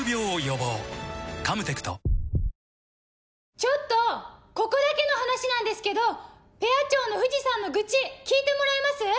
ちょっとここだけの話なんですけどペア長の藤さんの愚痴聞いてもらえます？